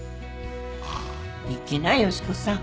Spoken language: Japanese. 行きな良子さん。